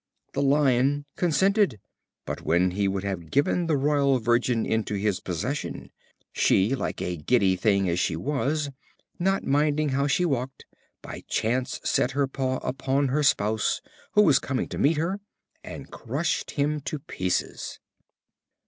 The Lion consented; but, when he would have given the royal virgin into his possession, she, like a giddy thing as she was, not minding how she walked, by chance set her paw upon her spouse, who was coming to meet her, and crushed him to pieces.